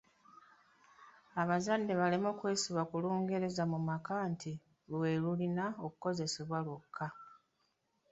Abazadde baleme kwesiba ku Lungereza mu maka nti lwe lulina okukozesebwa lwokka.